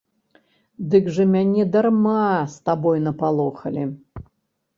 Дык жа мяне дарма з табой напалохалі.